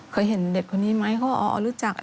เคยเห็นเด็กคนนี้ไหมเขาอ๋อรู้จัก